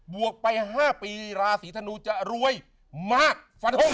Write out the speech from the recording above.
วกไป๕ปีราศีธนูจะรวยมากฟันทง